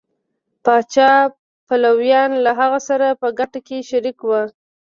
پاچا پلویان له هغه سره په ګټه کې شریک وو.